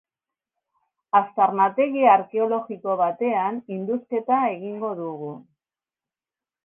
Aztarnategi arkeologiko batean indusketa egingo dugu.